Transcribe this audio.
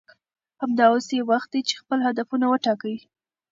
همدا اوس یې وخت دی چې خپل هدفونه وټاکئ